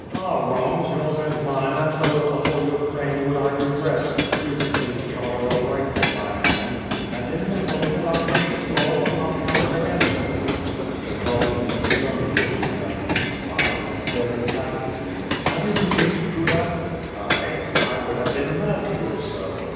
"Our wrongs, yours and mine, and those of the whole Ukraine would T redress, with the king's charter of rights in my hands, and in the hope that our gracious Lord will not count it against me." l66 l»^'^''' ^'^^^^^ ^A'/J SWORD. Kshoeliovski looked sternly into Khmyelnitski's eyes, and said emphatically: "Have you besieged Kudak?" "1? I would have been mad to do so.